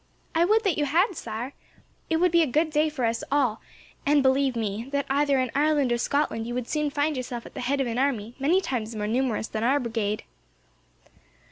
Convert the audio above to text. "I would that you had, Sire. It would be a good day for us all; and believe me, that either in Ireland or Scotland you would soon find yourself at the head of an army, many times more numerous than our brigade."